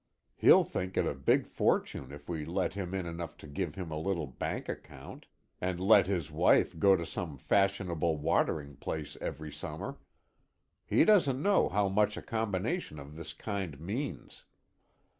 He'll think it a big fortune if we let him in enough to give him a little bank account, and let his wife go to some fashionable watering place every summer. He doesn't know how much a combination of this kind means.